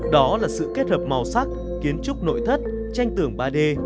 đó là sự kết hợp màu sắc kiến trúc nội thất tranh tưởng ba d